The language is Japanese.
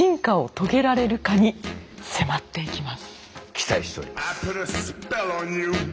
期待しております。